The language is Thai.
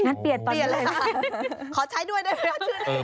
งั้นเปลี่ยนตอนนี้ค่ะขอใช้ด้วยได้ไหมชื่อ